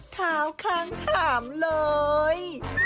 เท้าข้างขามเลย